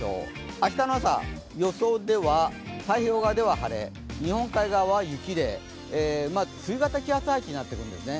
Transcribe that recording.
明日の朝、予想では太平洋側では晴れ、日本海側は雪で、冬型気圧配置になってくるんですね。